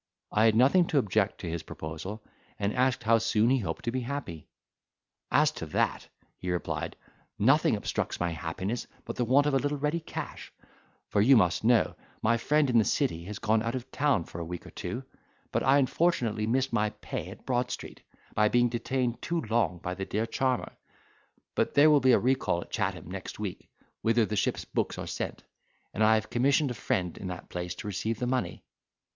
I had nothing to object to his proposal; and asked how soon he hoped to be happy. "As to that," he replied, "nothing obstructs my happiness but the want of a little ready cash; for you must know, my friend in the city has gone out of town for a week or two, but I unfortunately missed my pay at Broad Street, by being detained too long by the dear charmer—but there will be a recall at Chatham next week, whither the ship's books are sent, and I have commissioned a friend in that place to receive the money."